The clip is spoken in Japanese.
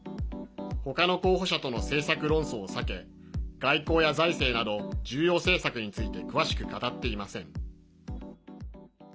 ほかの候補者との政策論争を避け外交や財政など重要政策について詳しく語っていません。